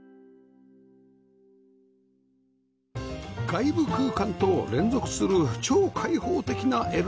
外部空間と連続する超開放的な ＬＤＫ